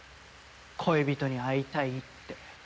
「恋人に会いたい」って。